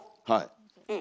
うん。